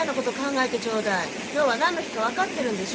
今日は何の日か分かってるんでしょ？